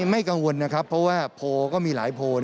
ไม่กังวลนะครับเพราะว่าโพลก็มีหลายโพล